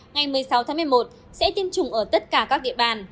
ngày một mươi sáu tháng một mươi một sẽ tiêm chủng ở tất cả các địa bàn